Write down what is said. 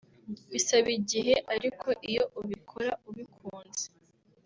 Bisaba igihe ariko iyo ubikora ubikunze